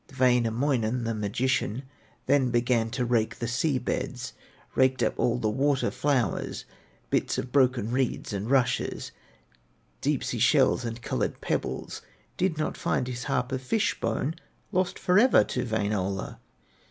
Wainamoinen, the magician, Then began to rake the sea beds, Raked up all the water flowers, Bits of broken reeds and rushes, Deep sea shells and colored pebbles, Did not find his harp of fish bone, Lost forever to Wainola!